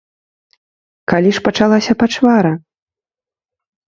Калі ж пачалася пачвара?